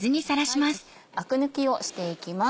アク抜きをしていきます。